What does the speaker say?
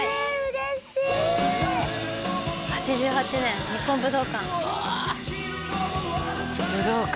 嬉しい８８年日本武道館うわ武道館